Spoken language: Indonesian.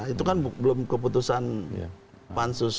itu kan belum keputusan pansus